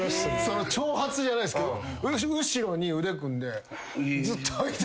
挑発じゃないですけど後ろに腕組んでずっと相手の顔を。